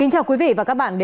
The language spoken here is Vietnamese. kính chào quý vị và các bạn